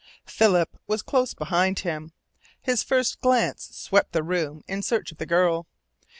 Philip was close behind him. His first glance swept the room in search of the girl.